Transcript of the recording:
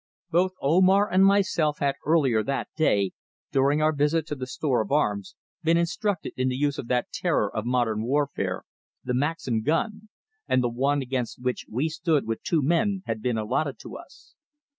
Both Omar and myself had earlier that day, during our visit to the store of arms, been instructed in the use of that terror of modern warfare, the Maxim gun, and the one against which we stood with two men had been allotted to us.